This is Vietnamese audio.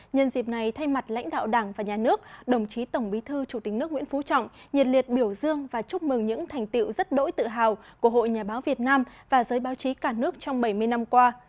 nhân dịp này thay mặt lãnh đạo đảng và nhà nước đồng chí tổng bí thư chủ tịch nước nguyễn phú trọng nhiệt liệt biểu dương và chúc mừng những thành tiệu rất đỗi tự hào của hội nhà báo việt nam và giới báo chí cả nước trong bảy mươi năm qua